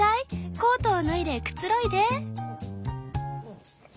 コートを脱いでくつろいで」。